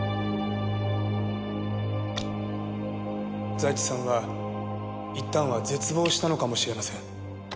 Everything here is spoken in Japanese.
財津さんは一旦は絶望したのかもしれません。